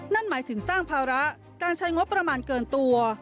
นั่นหมายถึงสร้างภาระการใช้งบประมาณเกินตัว